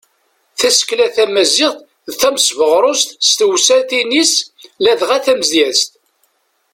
Tasekla tamaziɣt d tamesbeɣrut s tewsatin-is ladɣa tamedyazt.